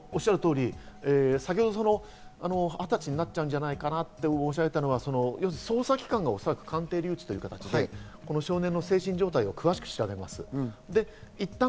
先ほど２０歳になっちゃうんじゃないかと言っていたのは捜査機関がおそらく鑑定留置という形でこの少年の精神状態を詳しく調べます。